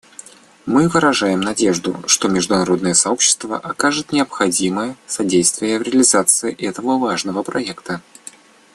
Мы выражаем надежду, что международное сообщество окажет необходимое содействие в реализации этого важного проекта.